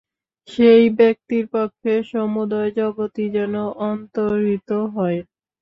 সেই ব্যক্তির পক্ষে সমুদয় জগৎই যেন অন্তর্হিত হয়।